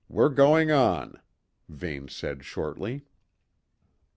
We're going on," Vane said shortly.